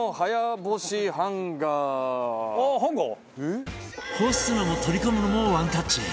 干すのも取り込むのもワンタッチ！